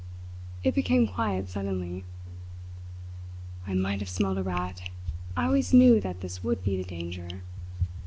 It became quiet suddenly. "I might have smelt a rat! I always knew that this would be the danger."